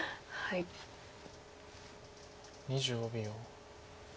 ２５秒。